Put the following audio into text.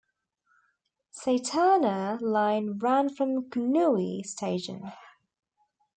Setana Line ran from Kunnui Station.